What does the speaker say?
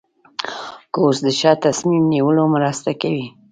کورس د ښه تصمیم نیولو مرسته کوي.